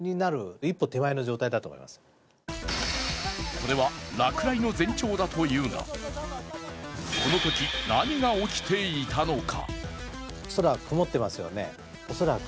これは落雷の前兆だというがこのとき何が起きていたのか。